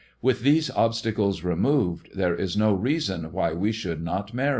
With these obstacles removed there is no reason why we should not marry."